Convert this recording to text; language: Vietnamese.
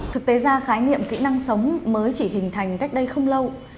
thực tế ra khái niệm kỹ năng sống mới chỉ hình thành cách đây không lâu